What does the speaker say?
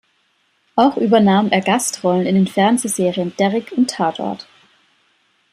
Auch übernahm er Gastrollen in den Fernsehserien "Derrick" und "Tatort".